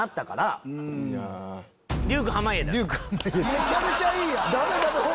めちゃめちゃいいやん！